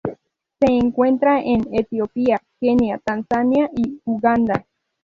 Se encuentra en Etiopía, Kenia, Tanzania y Uganda.